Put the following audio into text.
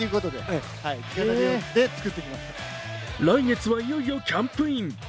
来月はいよいよキャンプイン。